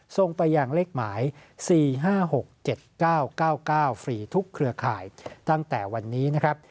ส่งไปยังเลขหมาย๔๕๖๗๙๙๙ฟรีทุกเครือข่ายตั้งแต่วันนี้นะครับ